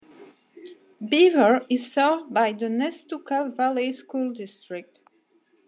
Beaver is served by the Nestucca Valley School District.